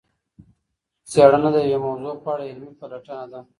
څېړنه د یوې موضوع په اړه علمي پلټنه ده.